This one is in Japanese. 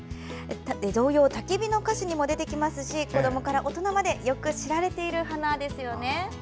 童謡「たきび」の歌詞にも出てきますし子どもから大人までよく知られている花ですよね。